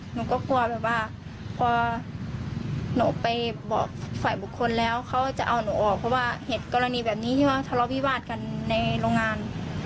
หนูก็กลัวแบบว่าพอหนูไปบอกฝ่ายบุคคลแล้วเขาจะเอาหนูออกเพราะว่าเห็นกรณีแบบนี้ที่ว่าทะเลาวิวาสกันในโรงงาน